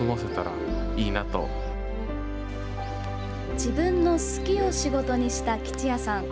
自分の「好き」を仕事にした吉也さん。